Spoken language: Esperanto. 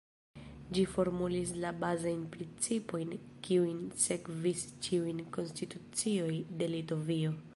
Ĝi formulis la bazajn principojn kiujn sekvis ĉiujn konstitucioj de Litovio.